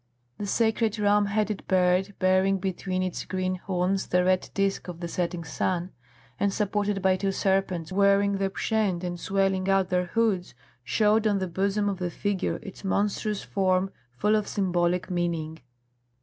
The sacred ram headed bird, bearing between its green horns the red disc of the setting sun and supported by two serpents wearing the pschent and swelling out their hoods, showed on the bosom of the figure its monstrous form full of symbolic meaning.